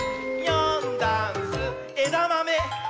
「よんだんす」「えだまめ」！